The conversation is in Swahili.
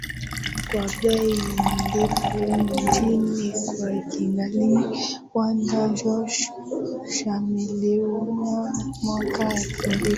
kwa bei ndefu mjini wa Kigali Rwanda Jose Chameleone mwaka elfu mbili